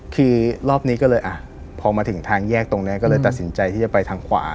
คือรอบนี้ก็เลยอ่ะพอมาถึงทางแยกตรงนี้ก็เลยตัดสินใจที่จะไปทางขวา